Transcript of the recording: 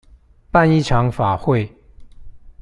辦一場法會